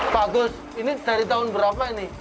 pak agus ini dari tahun berapa ini